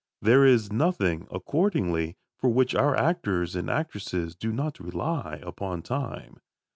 There is nothing, accordingly, for which our actors and actresses do not rely upon time.